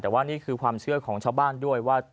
แต่ว่านี่คือความเชื่อของชาวบ้านด้วยว่า